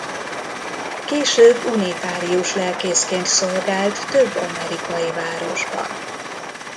Később unitárius lelkészként szolgált több amerikai városban.